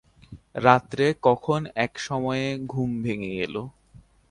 রাত্রে কখন এক সময়ে ঘুম ভেঙে গেল।